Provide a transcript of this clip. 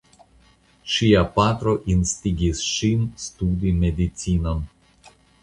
Ŝia patro instigis ŝin studi medicinon.